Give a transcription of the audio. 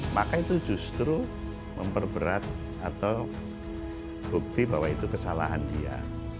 maka itu justru memperberat atau bukti bahwa itu kesalahan dia